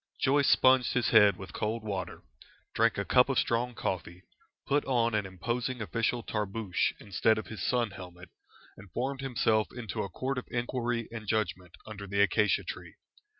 Joyce sponged his head with cold water, drank a cup of strong coffee, put on an imposing official tarboosh instead of his sun helmet, and formed himself into a court of inquiry and judgment under the acacia tree.